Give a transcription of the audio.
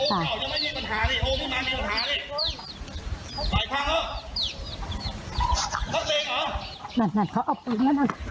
อาจารย์